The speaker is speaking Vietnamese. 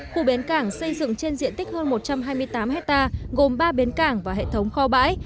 khu bến cảng xây dựng trên diện tích hơn một trăm hai mươi tám hectare gồm ba bến cảng và hệ thống kho bãi